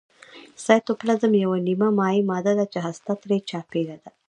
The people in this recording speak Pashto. سایتوپلازم یوه نیمه مایع ماده ده چې هسته ترې چاپیره ده